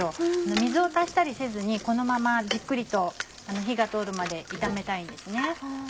水を足したりせずにこのままじっくりと火が通るまで炒めたいんですね。